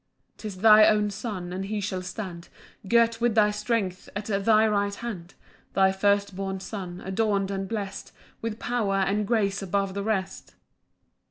11 'Tis thy own Son, and he shall stand Girt with thy strength at thy right hand; Thy first born Son, adorn'd and blest With power and grace above the rest.